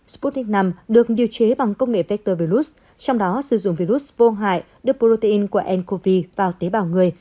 sputnik v được điều chế bằng công nghệ vector virus trong đó sử dụng virus vô hại đưa protein của ncov vào tế bào người